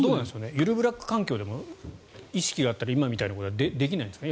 ゆるブラック環境でも意識があったら今みたいなことはできないんですかね？